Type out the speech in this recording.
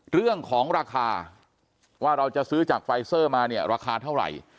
เรื่องของราคาว่าเราจะซื้อจากไฟเซอร์มาเนี่ยราคาเท่าไหร่